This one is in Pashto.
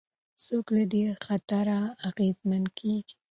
څوک له دې خطره اغېزمن کېږي؟